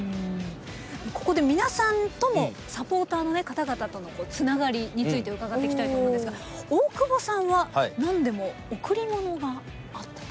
ここで皆さんともサポーターの方々とのつながりについて伺っていきたいと思うんですが大久保さんは何でも贈り物があったと。